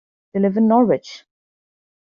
They live in Norwich.